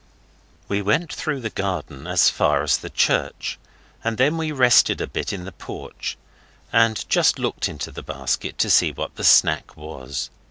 We went through the garden as far as the church, and then we rested a bit in the porch, and just looked into the basket to see what the 'snack' was.